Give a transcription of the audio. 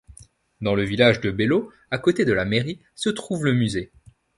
Dans le village de Belleau, à côté de la mairie, se trouve le musée.